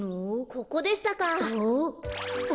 ここでしたか。